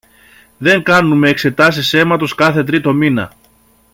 δεν κάνουμε εξετάσεις αίματος κάθε τρίτο μήνα